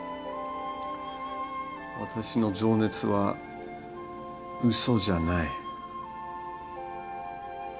私の情熱はうそじゃない。